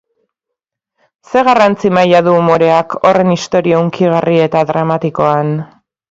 Zer garrantzi maila du umoreak horren istorio hunkigarri eta dramatikoan?